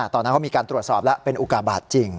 ตอนนั้นเขามีการตรวจสอบแล้วเป็นอุกาบาทจริง